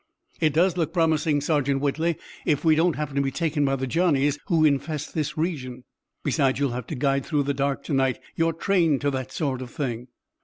"It does look promising, Sergeant Whitley, if we don't happen to be taken by the Johnnies who infest this region. Besides, you'll have to guide through the dark to night. You're trained to that sort of thing."